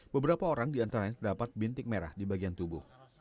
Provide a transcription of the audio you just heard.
beberapa orang diantaranya terdapat bintik merah di bagian tubuh